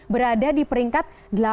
berada di peringkat delapan puluh satu